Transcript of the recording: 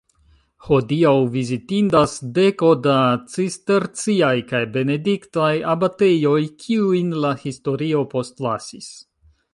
Hodiaŭ vizitindas deko da cisterciaj kaj benediktaj abatejoj, kiujn la historio postlasis.